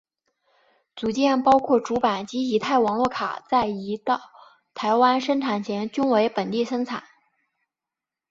组件包括主板及乙太网络卡在移到台湾生产前均为本地生产。